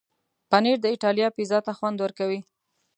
پنېر د ایټالیا پیزا ته خوند ورکوي.